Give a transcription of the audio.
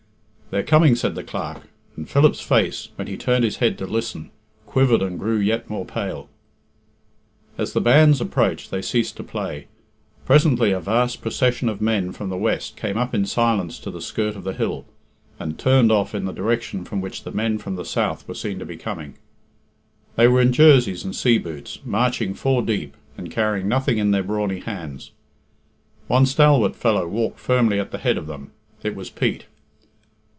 "They're coming," said the Clerk, and Philip's face, when he turned his head to listen, quivered and grew yet more pale. As the bands approached they ceased to play. Presently a vast procession of men from the west came up in silence to the skirt of the hill, and turned off in the direction from which the men from the south were seen to be coming. They were in jerseys and sea boots, marching four deep, and carrying nothing in their brawny hands. One stalwart fellow walked firmly at the head of them.. It was Pete.